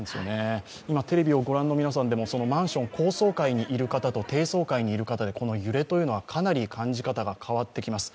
今テレビをご覧の皆さんもマンションの高層階にいる方と低層階にいる方で揺れは感じ方が変わってきます。